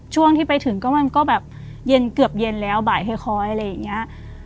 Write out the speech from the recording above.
ช่วงที่ไปถึงก็มันก็แบบเย็นเกือบเย็นแล้วบ่ายค่อยอะไรอย่างนี้